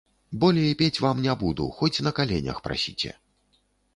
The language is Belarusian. Болей пець вам не буду, хоць на каленях прасіце.